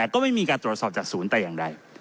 ก็ไม่มีการตรวจสอบจากศูนย์แต่อย่างใด